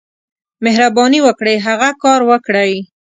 مهرباني وکړئ، هغه کار وکړئ.